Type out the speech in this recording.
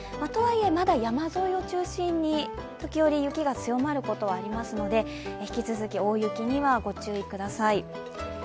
とはいえ、まだ山沿いを中心に時折雪が強まることがありますので引き続き大雪にはご注意ください。